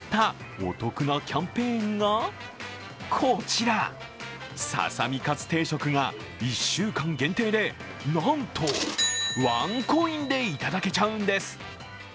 つい３時間ほど前に始まったお得なキャンペーンがこちら、ささみかつ定食が１週間限定でなんと、ワンコインでいただけちゃうんです。